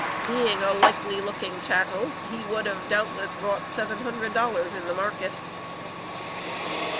Being a likely looking chattel, he would have doubtless brought seven hundred dollars in the market.